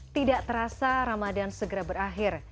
tidak terasa ramadan segera berakhir